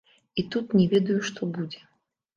І тут не ведаю, што будзе.